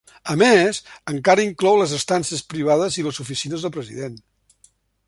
A més, encara inclou les estances privades i les oficines del president.